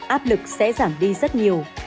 áp lực sẽ giảm đi rất nhiều